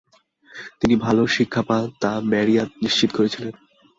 তিনি ভালো শিক্ষা পান, তা ম্যারিয়াত নিশ্চিত করেছিলেন।